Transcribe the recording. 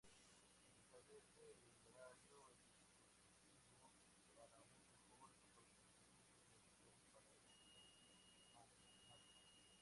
Se establece el horario discontinuo para un mejor aprovechamiento de habilidades para el alumnado.